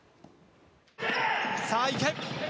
さあ、行け！